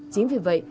chính vì vậy